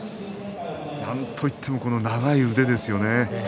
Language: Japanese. なんといってもこの長い腕ですよね。